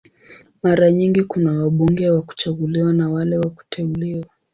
Mara nyingi kuna wabunge wa kuchaguliwa na wale wa kuteuliwa.